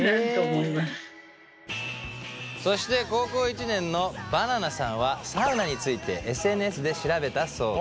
そして高校１年のバナナさんはサウナについてＳＮＳで調べたそうで。